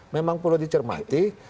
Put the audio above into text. memang perlu dicermati